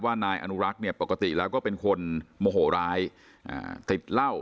นายอนุรักษ์เนี่ยปกติแล้วก็เป็นคนโมโหร้ายติดเหล้า